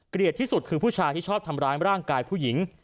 ที่สุดคือผู้ชายที่ชอบทำร้ายร่างกายผู้หญิง